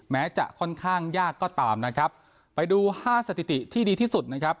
แม้จะค่อนข้างยากก็ตามนะครับไปดูห้าสถิติที่ดีที่สุดนะครับ